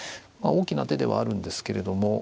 大きな手ではあるんですけれども。